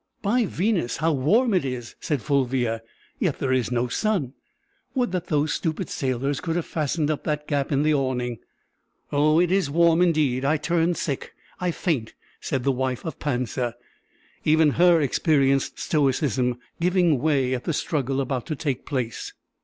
"By Venus, how warm it is!" said Fulvia, "yet there is no sun. Would that those stupid sailors could have fastened up that gap in the awning!" "Oh, it is warm indeed. I turn sick I faint!" said the wife of Pansa; even her experienced stoicism giving way at the struggle about to take place.